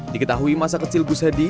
diketahui masa kecil gus hadi